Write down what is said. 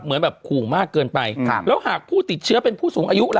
เหมือนแบบขู่มากเกินไปแล้วหากผู้ติดเชื้อเป็นผู้สูงอายุล่ะ